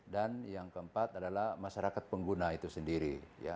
dan yang keempat adalah masyarakat pengguna itu sendiri